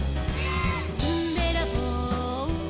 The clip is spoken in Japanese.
「ずんべらぼう」「」